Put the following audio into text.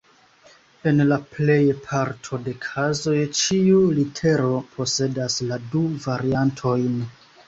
En la plej parto de kazoj, ĉiu litero posedas la du variantojn.